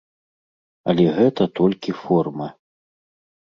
Але гэта толькі форма.